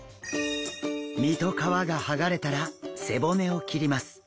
身と皮がはがれたら背骨を切ります。